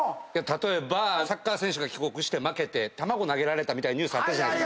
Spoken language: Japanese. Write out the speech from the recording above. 例えばサッカー選手が帰国して負けて卵投げられたみたいなニュースあったじゃない。